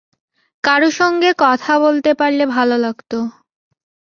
কারো সঙ্গে কথা বলতে পারলে ভালো লাগে।